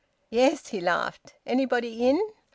"Yes," he laughed. "Anybody in?"